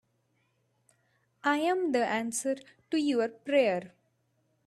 I'm the answer to your prayer.